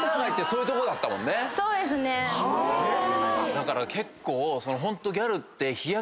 だから結構ホント。